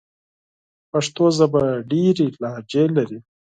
پښتو ژبه ډېري لهجې لري.